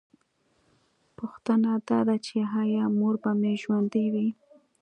پوښتنه دا ده چې ایا مور به مې ژوندۍ وي